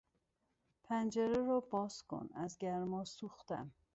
پنجره را باز کن; از گرما سوختم!